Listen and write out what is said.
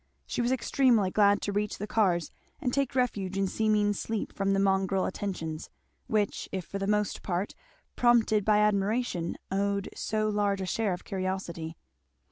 She was extremely glad to reach the cars and take refuge in seeming sleep from the mongrel attentions, which if for the most part prompted by admiration owned so large a share of curiosity.